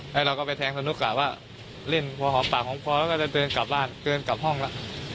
แล้วเราก็ไปแทงสนุกกะว่าเล่นพอหอมปากหอมคอแล้วก็จะเดินกลับบ้านเดินกลับห้องแล้ว